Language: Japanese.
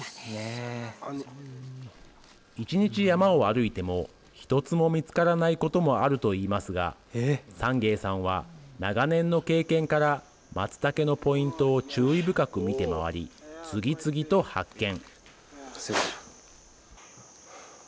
１日山を歩いても１つも見つからないこともあるといいますがサンゲイさんは長年の経験からまつたけのポイントを注意深く見て回り、次々と発見。